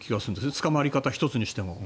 捕まり方１つにしても。